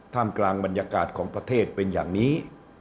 กลางบรรยากาศของประเทศเป็นอย่างนี้